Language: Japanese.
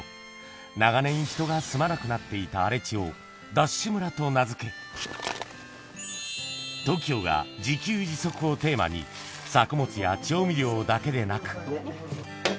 長年人が住まなくなっていた荒れ地を、ＤＡＳＨ村と名付け、ＴＯＫＩＯが自給自足をテーマに、作物や調味料だけでなく。